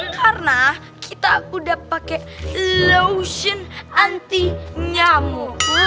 karena kita udah pakai lotion anti nyamuk